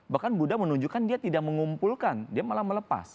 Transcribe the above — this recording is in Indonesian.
bahkan buddha menunjukkan dia tidak mengumpulkan dia malah melepas